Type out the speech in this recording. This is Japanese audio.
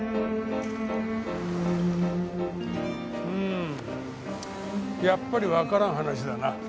うんやっぱりわからん話だな。